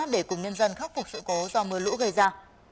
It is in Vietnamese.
để cùng nhân dân khắc phục sự cố do mưa lũ gây ra